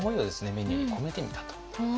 メニューに込めてみたと。